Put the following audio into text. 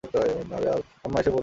আম্মা, এসে পড়বো।